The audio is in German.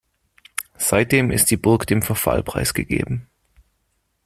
Seitdem ist die Burg dem Verfall preisgegeben.